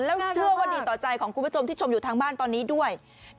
แล้วเชื่อว่าดีต่อใจของคุณผู้ชมที่ชมอยู่ทางบ้านตอนนี้ด้วย